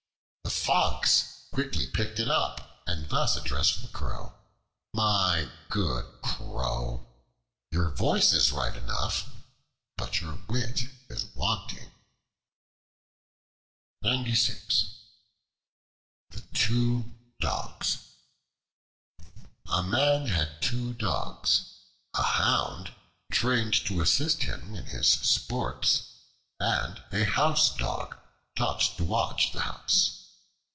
The Fox quickly picked it up, and thus addressed the Crow: "My good Crow, your voice is right enough, but your wit is wanting." The Two Dogs A MAN had two dogs: a Hound, trained to assist him in his sports, and a Housedog, taught to watch the house.